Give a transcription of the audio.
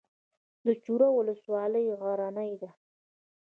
د چوره ولسوالۍ غرنۍ ده